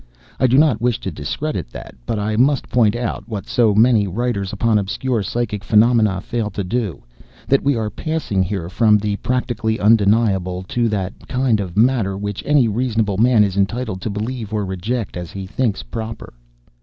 I do not wish to discredit that, but I must point out what so many writers upon obscure psychic phenomena fail to do that we are passing here from the practically undeniable to that kind of matter which any reasonable man is entitled to believe or reject as he thinks proper.